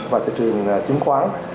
và thị trường chứng khoán